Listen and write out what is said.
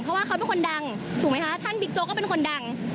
เพราะว่าเขาเป็นคนดังถูกไหมคะท่านบิ๊กโจ๊กก็เป็นคนดัง